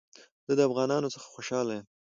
زه د افغانانو څخه خوشحاله يم